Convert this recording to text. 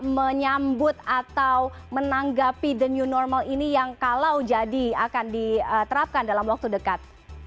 menyambut atau menanggapi the new normal ini yang kalau jadi akan diterapkan dalam waktu dekat